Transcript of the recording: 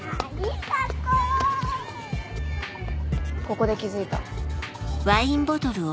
ここで気付いた。